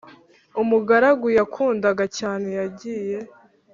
umugaragu yakundaga cyane yagiye